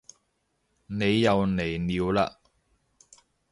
你又嚟料嘞